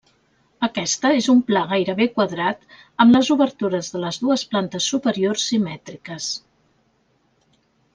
Aquesta és un pla gairebé quadrat amb les obertures de les dues plantes superiors simètriques.